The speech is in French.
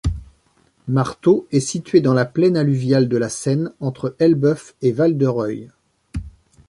Martot est située dans la plaine alluviale de la Seine, entre Elbeuf et Val-de-Reuil.